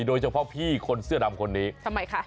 โดยเฉพาะพี่คนเสื้อดำคนนี้ทำไมคะ